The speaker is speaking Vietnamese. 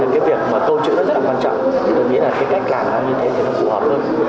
làm nó như thế thì nó rõ ràng hơn